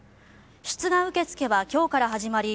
出願受け付けは今日から始まり